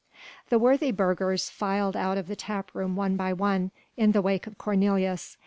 The worthy burghers filed out of the tap room one by one, in the wake of Cornelius.